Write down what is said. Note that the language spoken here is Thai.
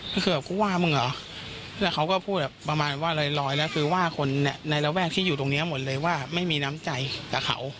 ก็คือแบบกูว่ามึงเหรอแล้วเขาก็พูดแบบประมาณว่าลอยแล้วคือว่าคนในระแวกที่อยู่ตรงนี้หมดเลยว่าไม่มีน้ำใจกับเขา